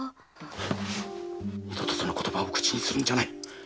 二度とその言葉を口にするんじゃない。